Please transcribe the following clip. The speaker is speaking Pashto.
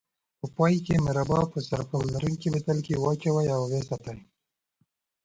په پای کې مربا په سرپوښ لرونکي بوتل کې واچوئ او وساتئ.